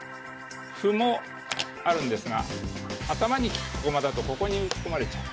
歩もあるんですが頭に利く駒だとここに打ち込まれちゃう。